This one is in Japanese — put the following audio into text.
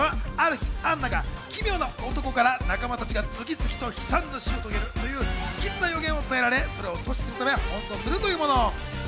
映画はある日、アンナが奇妙な男から仲間たちが次々と悲惨な死を遂げるという不吉な予言を伝えられ、それを阻止するために奔走するというもの。